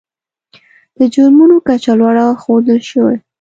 د جرمونو کچه لوړه ښودل شوې.